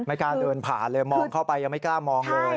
กล้าเดินผ่านเลยมองเข้าไปยังไม่กล้ามองเลย